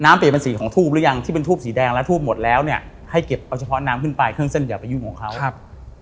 เปลี่ยนเป็นสีของทูบหรือยังที่เป็นทูบสีแดงและทูบหมดแล้วเนี่ยให้เก็บเอาเฉพาะน้ำขึ้นไปเครื่องเส้นอย่าไปยุ่งของเขาครับ